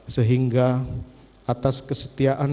sehingga atas kesetiaan